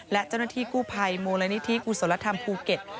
และเจ้าหน้าที่กู้ภัยมูลนิธิกุศลธรรมภูเก็ต